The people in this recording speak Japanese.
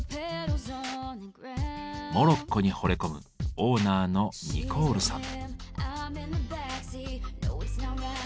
モロッコにほれ込むオーナーのニコールさん。